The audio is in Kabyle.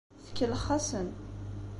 Tkellex-asen.